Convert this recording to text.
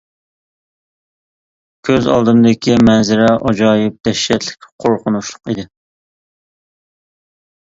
كۆز ئالدىمدىكى مەنزىرە ئاجايىپ دەھشەتلىك قورقۇنچلۇق ئىدى.